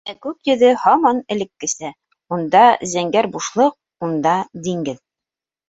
Ә күк йөҙө һаман элеккесә: унда зәңгәр бушлыҡ, унда диңгеҙ...